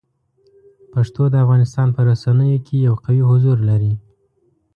پښتو د افغانستان په رسنیو کې یو قوي حضور لري.